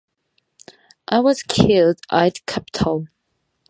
I was killed i' th' Capitol.